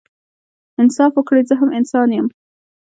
انصاف وکړئ زه هم انسان يم